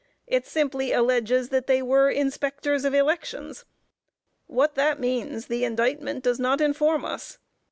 It simply alleges that they were Inspectors of Elections. What that means, the indictment does not inform us.